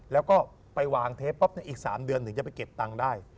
แล้วก็ไปวางเทปปั๊บในอีก๓เดือนถึงจะไปเก็บตังค์ได้